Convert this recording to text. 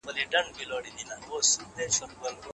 قصاص د عدالت عملي کول دي.